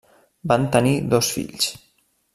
Van tenir dos fills: